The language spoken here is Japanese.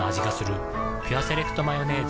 「ピュアセレクトマヨネーズ」